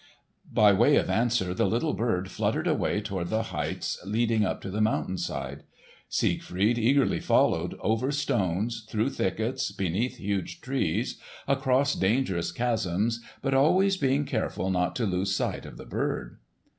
By way of answer the little bird fluttered away toward the heights leading up the mountain side. Siegfried eagerly followed, over stones, through thickets, beneath huge trees, across dangerous chasms, but always being careful not to lose sight of the bird.